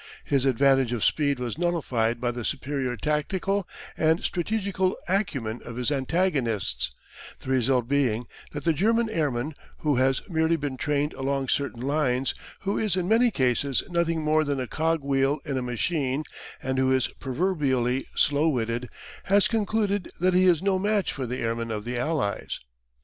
His advantage of speed was nullified by the superior tactical and strategical acumen of his antagonists, the result being that the German airman, who has merely been trained along certain lines, who is in many cases nothing more than a cog wheel in a machine, and who is proverbially slow witted, has concluded that he is no match for the airmen of the Allies.